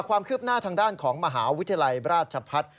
ความคืบหน้าทางด้านของมหาวิทยาลัยราชพัฒน์